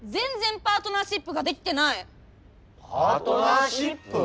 パートナーシップ？